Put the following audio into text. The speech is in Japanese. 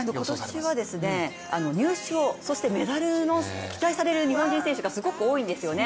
今年は入賞そしてメダルを期待される日本人選手がすごく多いんですよね。